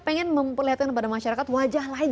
pengen memperlihatkan kepada masyarakat wajah lain